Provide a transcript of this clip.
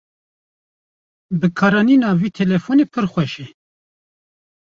Bikaranîna vê telefonê pir xweş e.